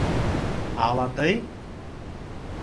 Ала тый?